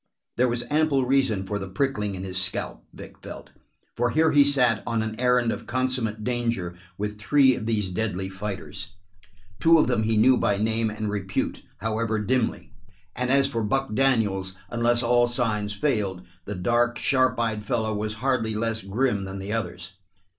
There was ample reason for the prickling in his scalp, Vic felt, for here he sat on an errand of consummate danger with three of these deadly fighters. Two of them he knew by name and repute, however dimly, and as for Buck Daniels, unless all signs failed the dark, sharp eyed fellow was hardly less grim than the others.